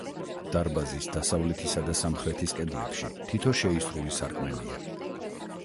დარბაზის დასავლეთისა და სამხრეთის კედლებში თითო შეისრული სარკმელია.